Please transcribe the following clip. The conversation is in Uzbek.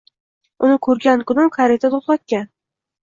Uni ko‘rgan kunim kareta to‘xtatgan